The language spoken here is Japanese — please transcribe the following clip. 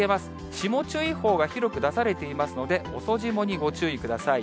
霜注意報が広く出されていますので、遅霜にご注意ください。